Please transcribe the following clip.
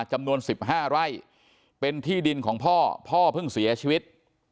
จำนวน๑๕ไร่เป็นที่ดินของพ่อพ่อเพิ่งเสียชีวิต